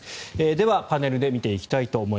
ではパネルで見ていきます。